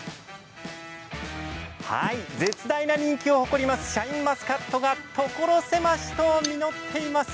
絶大な人気を誇りますシャインマスカットが所狭しと実っています。